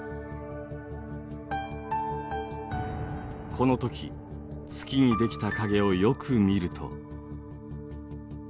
この時月に出来た影をよく見ると。